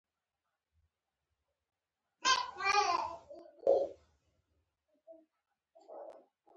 نو که یې خرڅوي پرما به یې خرڅوي